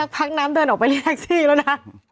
พักน้ำเดินออกไปเรียกแท็กซี่แล้วนะ